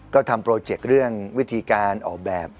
ก็ทำโปรเจคเรื่องวิธีการออกแบบ